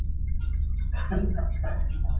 Tyler also became the town's first postmaster.